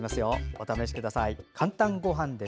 お試しください。